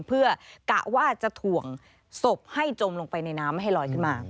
เพื่อกะว่าจะถ่วงศพให้จมลงไปในน้ำไม่ให้ลอยขึ้นมา